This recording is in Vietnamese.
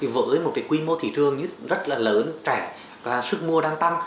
với một quy mô thị trường rất là lớn trẻ và sức mua đang tăng